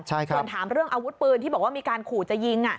ส่วนถามเรื่องอาวุธปืนที่บอกว่ามีการขู่จะยิง